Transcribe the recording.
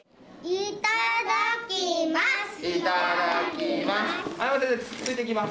いただきます。